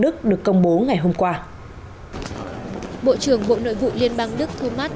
đức được công bố ngày hôm qua bộ trưởng bộ nội vụ liên bang đức thomas